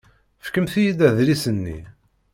Fkemt-iyi-d adlis-nni.